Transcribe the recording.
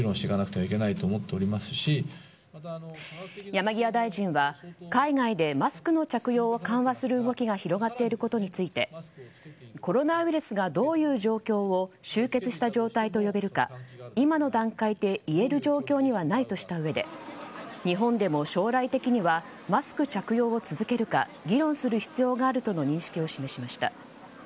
山際大臣は、海外でマスクの着用を緩和する動きが広がっていることについてコロナウイルスがどういう状況を終結した状態と呼べるか今の段階で言える状況にはないとしたうえで日本でも将来的にはマスク着用を続けるか議論する必要があるとの認識を示しました。